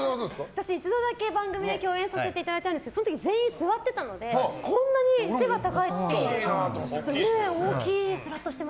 私は一度だけ、番組で共演させていただいたんですがその時、全員座っていたのでこんなに背が高いって。